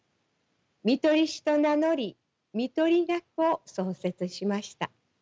看取り士と名乗り看取り学を創設しました。